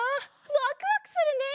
ワクワクするね！